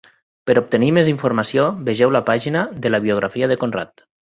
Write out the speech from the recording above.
Per obtenir més informació, vegeu la pàgina de la biografia de Conrad.